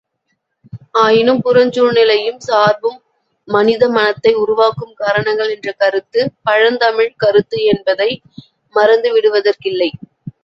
ஆயினும் புறச்சூழ்நிலையும் சார்பும் மனித மனத்தை உருவாக்கும் காரணங்கள் என்ற கருத்து, பழந்தமிழ்க் கருத்து என்பதை மறந்துவிடுவதற்கில்லை.